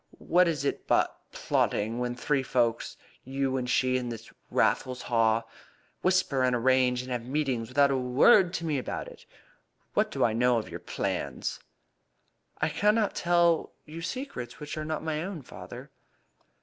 What is it but plotting when three folk you and she and this Raffles Haw whisper and arrange and have meetings without a word to me about it? What do I know of your plans?" "I cannot tell you secrets which are not my own, father."